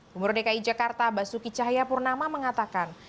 bumur dki jakarta basuki cahaya purnama mengatakan